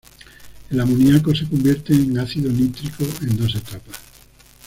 El amoníaco se convierte en ácido nítrico en dos etapas.